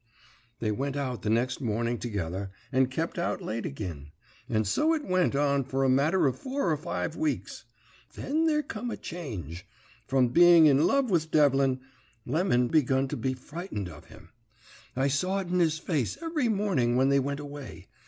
"They went out the next morning together, and kep out late agin; and so it went on for a matter of four or five weeks. Then there come a change. From being in love with Devlin, Lemon begun to be frightened of him. I saw it in his face every morning when they went away.